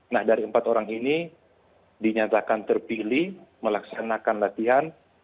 nah dari empat orang ini dinyatakan terpilih melaksanakan latihan